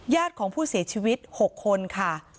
ของผู้เสียชีวิต๖คนค่ะ